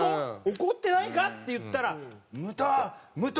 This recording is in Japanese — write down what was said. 「怒ってないか？」って言ったら「武藤！